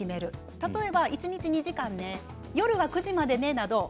例えば一日２時間夜は９時までなど。